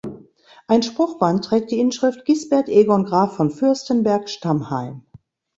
Ein Spruchband trägt die Inschrift "Gisbert Egon Graf von Fürstenberg Stammheim".